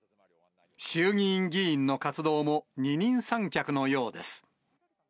衆議院議員の活動も二人三脚のようです。